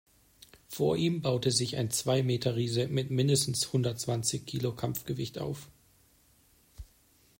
Vor ihm baute sich ein Zwei-Meter-Riese mit mindestens hundertzwanzig Kilo Kampfgewicht auf.